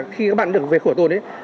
khi các bạn được về khổ tồn